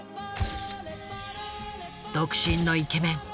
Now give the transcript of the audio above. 独身のイケメン。